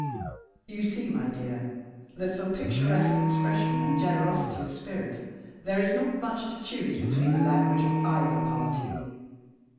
You see, my dear, that for picturesque expression and generosity of spirit there is not much to choose between the language of either party.